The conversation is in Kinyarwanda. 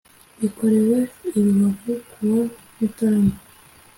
Bikorewe i Rubavu kuwa mutarama